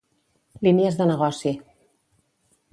Línies de negoci.